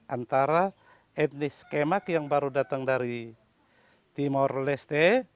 antara etnis kemak yang baru datang dari timur leste